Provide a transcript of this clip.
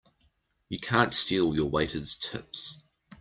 You can't steal your waiters' tips!